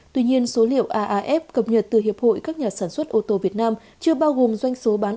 tuy nhiên số liệu aaf cập nhật từ hiệp hội các nhà sản xuất ô tô việt nam chưa bao gồm doanh số bán